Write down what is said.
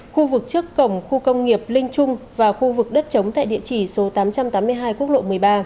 khu vực trước cổng khu công nghiệp linh trung và khu vực đất chống tại địa chỉ số tám trăm tám mươi hai quốc lộ một mươi ba